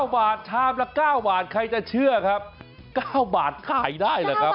๙บาทชามละ๙บาทใครจะเชื่อครับ๙บาทขายได้เหรอครับ